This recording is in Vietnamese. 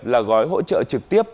là gói hỗ trợ trực tiếp